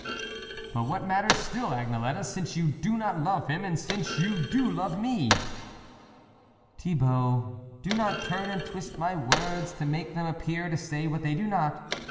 " But what matter still, Agnelette, since you do not love him and since you do love me?" " Thibault, do not turn and twist my words to make them appear to say what they do not.